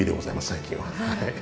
最近は。